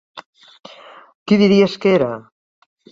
Qui diries que era?